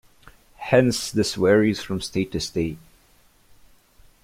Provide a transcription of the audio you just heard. Hence this varies from state to state.